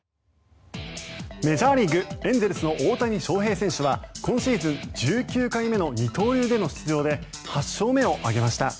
メジャーリーグエンゼルスの大谷翔平選手は今シーズン１９回目の二刀流での出場で８勝目を挙げました。